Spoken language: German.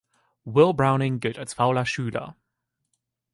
Will Browning gilt als fauler Schüler.